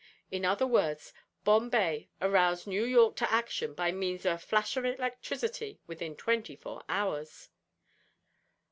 In other words, Bombay aroused New York to action by means of a flash of electricity within twenty four hours."